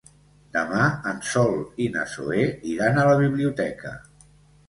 Demà en Sol i na Zoè iran a la biblioteca.